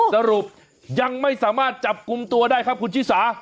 สรุปยังไม่สามารถจับกลุ่มตัวได้ครับคุณชิสา